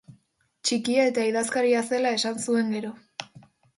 Txikia eta idazkaria zela esan zuen gero.